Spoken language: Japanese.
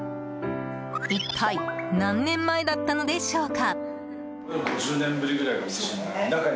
一体、何年前だったのでしょうか。